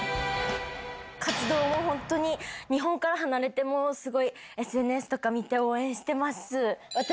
活動を本当に、日本から離れても、すごいＳＮＳとか見て応援してます。